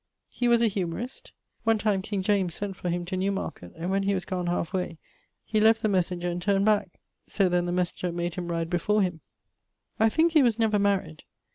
He was a humorist. One time king James sent for him to New market, and when he was gon halfe way left the messenger and turned back; so then the messenger made him ride before him. I thinke he was never maried.